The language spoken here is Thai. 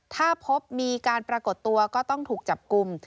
ถ้าพบมีการปรากฏตัวก็ต้องถูกจับกลุ่ม